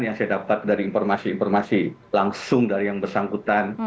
yang saya dapat dari informasi informasi langsung dari yang bersangkutan